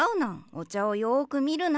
お茶をよく見るナン。